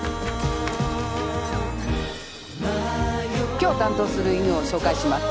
今日担当する犬を紹介します。